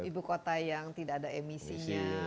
ibu kota yang tidak ada emisinya